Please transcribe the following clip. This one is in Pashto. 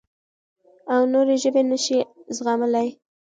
او نورې ژبې نه شي زغملی.